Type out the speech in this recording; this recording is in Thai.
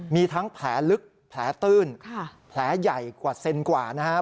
มีทั้งแผลลึกแผลตื้นแผลใหญ่กว่าเซนกว่านะครับ